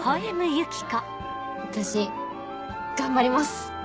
私頑張ります！